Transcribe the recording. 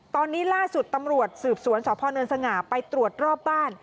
ตอนนี้ล่าสุดตำรวจสืบสวนสพเนินสง่าไปตรวจรอบบ้าน